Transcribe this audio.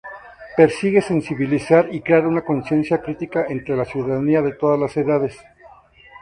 Persigue sensibilizar y crear una conciencia crítica entre la ciudadanía de todas las edades.